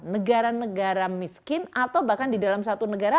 negara negara miskin atau bahkan di dalam satu negara